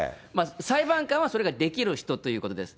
裁判官はそれができる人っていうことです。